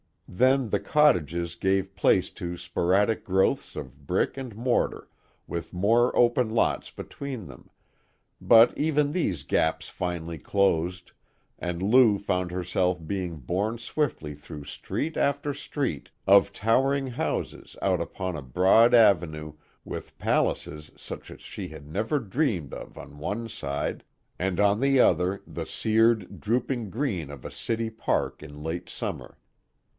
Then the cottages gave place to sporadic growths of brick and mortar with more open lots between, but even these gaps finally closed, and Lou found herself being borne swiftly through street after street of towering houses out upon a broad avenue with palaces such as she had never dreamed of on one side, and on the other the seared, drooping green of a city park in late summer.